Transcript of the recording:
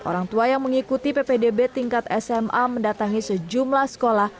orang tua yang mengikuti ppdb tingkat sma mendatangi sejumlah sekolah